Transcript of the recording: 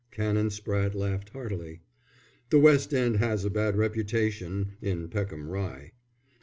Canon Spratte laughed heartily. "The West End has a bad reputation in Peckham Rye."